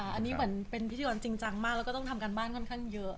อันนี้เหมือนเป็นพิธีกรจริงจังมากแล้วก็ต้องทำการบ้านค่อนข้างเยอะ